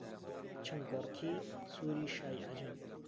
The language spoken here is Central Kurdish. چنگۆڕکی سووری شای عەجەم...